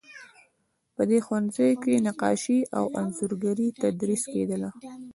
په دې ښوونځي کې نقاشي او انځورګري تدریس کیدله.